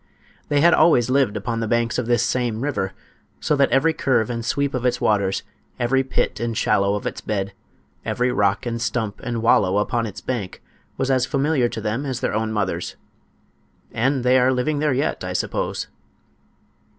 They had always lived upon the banks of this same river, so that every curve and sweep of its waters, every pit and shallow of its bed, every rock and stump and wallow upon its bank was as familiar to them as their own mothers. And they are living there yet, I suppose.